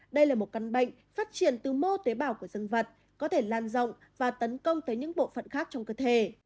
đây là một căn bệnh phát triển từ mô tế bào của dân vật có thể lan rộng và tấn công tới những bộ phận khác trong cơ thể